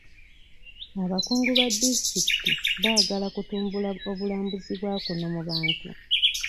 Abakungu ba disitulikiti baagala kutumbula obulambuzi bwa kuno mu bantu.